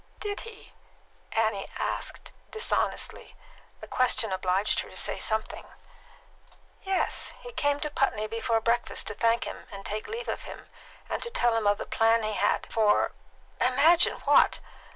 "Did he?" Annie asked dishonestly. The question obliged her to say something. "Yes. He came to Putney before breakfast to thank him and take leave of him, and to tell him of the plan he had for Imagine what!"